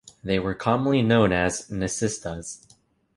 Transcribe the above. They were commonly known as "Nacistas".